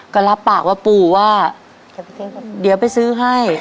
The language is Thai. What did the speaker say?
ก็รับปากว่าปู่ว่าเดี๋ยวไปซื้อให้